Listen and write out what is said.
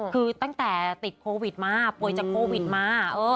คือตั้งแต่ติดโควิดมาป่วยจากโควิดมา